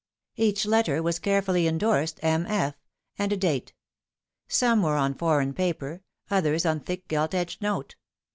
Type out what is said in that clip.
Each letter was carefully indorsed " M. F." and a date Some were on foreign paper, others on thick gilt edged note.